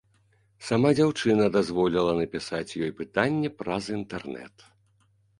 Сама дзяўчына дазволіла напісаць ёй пытанні праз інтэрнэт.